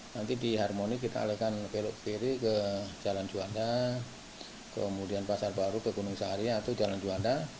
nanti di harmoni kita alihkan belok kiri ke jalan juanda kemudian pasar baru ke gunung sahari atau jalan juanda